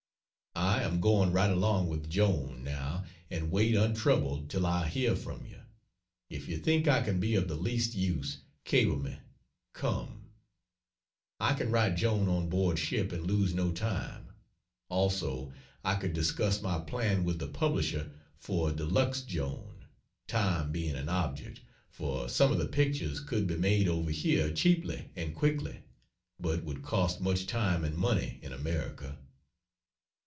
...................... I am going right along with Joan, now, and wait untroubled till I hear from you. If you think I can be of the least use, cable me "Come." I can write Joan on board ship and lose no time. Also I could discuss my plan with the publisher for a deluxe Joan, time being an object, for some of the pictures could be made over here cheaply and quickly, but would cost much time and money in America.